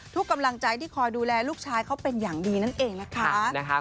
กำลังใจที่คอยดูแลลูกชายเขาเป็นอย่างดีนั่นเองนะคะ